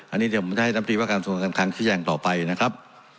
อันนี้เดี๋ยวผมจะให้น้ำตรีว่าการส่วนการคังชี้แจงต่อไปนะครับ